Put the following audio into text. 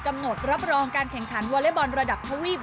กำหนดรับรองการแข่งขันวอเล็ตบอลระดับทะวีบ